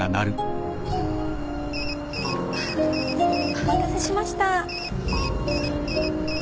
お待たせしました。